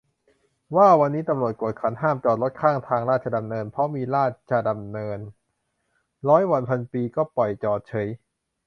ว้าว วันนี้ตำรวจกวดขัน ห้ามจอดรถข้างทางราชดำเนิน เพราะมีราชจะดำเนิน ร้อยวันพันปีก็ปล่อยจอดเฉย